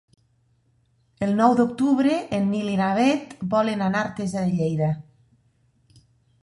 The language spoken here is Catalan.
El nou d'octubre en Nil i na Bet volen anar a Artesa de Lleida.